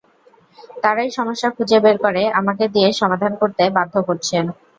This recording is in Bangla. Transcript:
তারাই সমস্যা খুঁজে বের করে আমাকে দিয়ে সমাধান করতে বাধ্য করছেন।